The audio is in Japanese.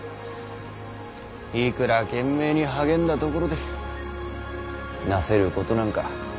いくら懸命に励んだところでなせることなんかほんの僅かだ。